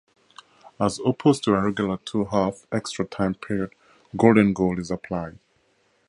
As opposed to a regular two-half extra time period, golden goal is applied.